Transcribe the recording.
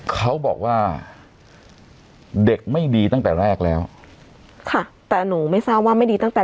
เขาบอกว่าเด็กไม่ดีตั้งแต่แรกแล้วค่ะแต่หนูไม่ทราบว่าไม่ดีตั้งแต่